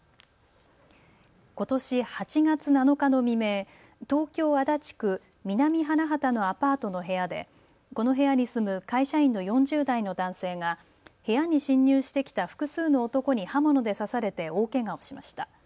ことし８月７日の未明、東京足立区南花畑のアパートの部屋でこの部屋に住む会社員の４０代の男性が部屋に侵入してきた複数の男に刃物で刺されて大けがをしました。